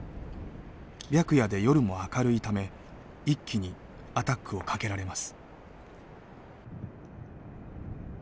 白夜で夜も明るいため一気にアタックをかけられます。